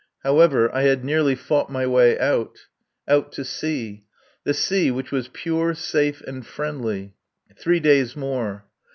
However, I had nearly fought my way out. Out to sea. The sea which was pure, safe, and friendly. Three days more.